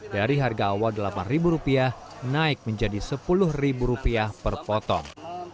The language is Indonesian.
dari harga awal rp delapan naik menjadi rp sepuluh per potong